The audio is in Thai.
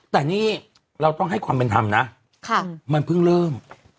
แต่นี่เราต้องให้ความเป็นธรรมนะมันเพิ่งเริ่ม